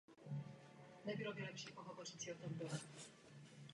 Řeka se využívá k získávání vodní energie a v Německu také k plavení dřeva.